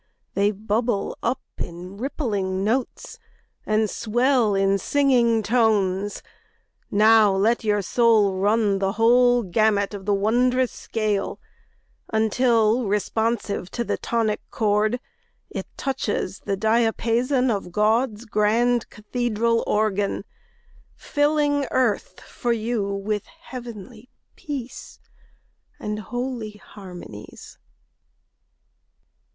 They bubble up in rippling notes, and swell in singing tones. Now let your soul run the whole gamut of the wondrous scale Until, responsive to the tonic chord, It touches the diapason of God's grand cathedral organ, Filling earth for you with heavenly peace And holy harmonies.